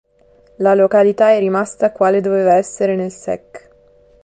La località è rimasta quale doveva essere nel sec.